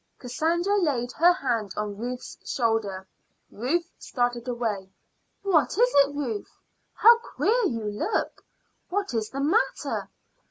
Cassandra laid her hand on Ruth's shoulder. Ruth started away. "What is it, Ruth? How queer you look! What is the matter?"